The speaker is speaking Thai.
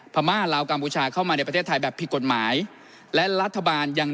พม่าราวกรรมบุชาเข้ามาในประเทศไทยแบบผิดกฎหมาย